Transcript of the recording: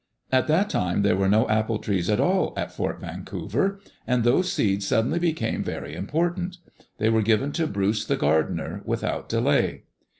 At that time there were no apples trees at all at Fort Vancouver, and those seeds suddenly became very important. They were given to Bruce, the gardener, without delay.